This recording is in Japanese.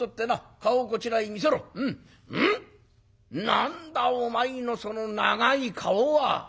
何だお前のその長い顔は。